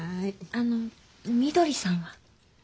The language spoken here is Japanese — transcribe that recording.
あのみどりさんは？